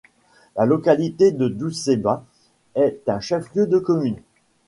La localité de Dousséba est un chef-lieu de commune.